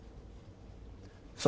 soal anda tidak mau pilih saya